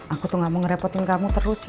aku tuh gak mau ngerepotin kamu terus sih